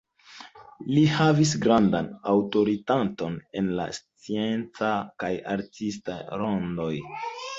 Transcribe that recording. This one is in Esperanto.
Li havis grandan aŭtoritaton en la sciencaj kaj artistaj rondoj.